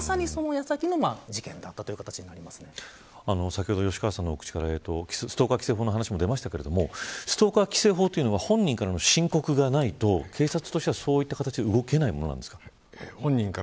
まさに、そのやさきの先ほど、吉川さんからストーカー規制法の話が出ましたがストーカー規制法というのは本人からの申告がないと警察としては動けないものなんですか。